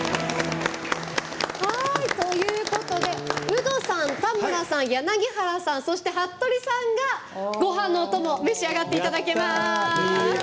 ということでウドさん、田村さん柳原さん、そして服部さんがごはんのお供召し上がっていただけます！